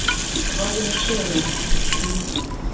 桃園市龍潭區